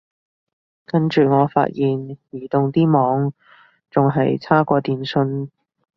跟住我發現移動啲網仲係差過電信